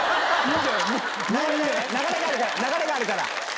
流れがあるから！